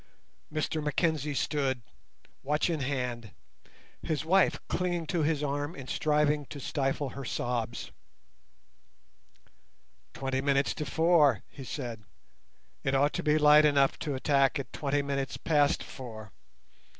Mr Mackenzie stood, watch in hand, his wife clinging to his arm and striving to stifle her sobs. "Twenty minutes to four," he said, "it ought to be light enough to attack at twenty minutes past four.